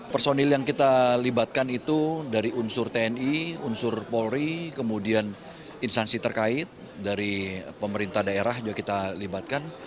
personil yang kita libatkan itu dari unsur tni unsur polri kemudian instansi terkait dari pemerintah daerah juga kita libatkan